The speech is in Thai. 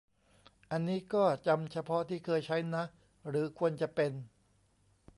อันนี้ก็จำเฉพาะที่เคยใช้นะ หรือควรจะเป็น